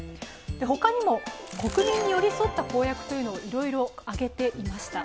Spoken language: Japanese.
他にも国民に寄り添った公約をいろいろ挙げていました。